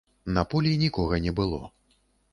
На полі нікога не было.